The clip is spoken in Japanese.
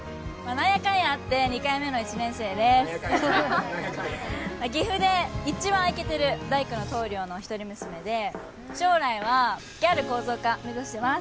なんやかんやなんやかんや岐阜で一番イケてる大工の棟梁の一人娘で将来はギャル構造家目指してます